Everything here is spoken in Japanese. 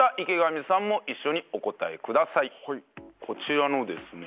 池上さんも一緒にお答えください。